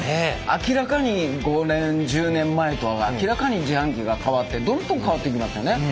明らかに５年１０年前とは明らかに自販機が変わってどんどん変わっていきますよね。